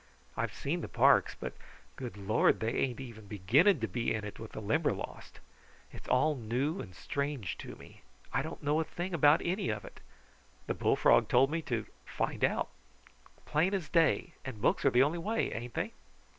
I've seen the parks but good Lord, they ain't even beginning to be in it with the Limberlost! It's all new and strange to me. I don't know a thing about any of it. The bullfrog told me to 'find out,' plain as day, and books are the only way; ain't they?"